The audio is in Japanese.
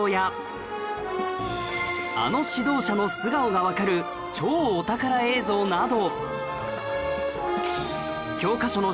あの指導者の素顔がわかる超お宝映像など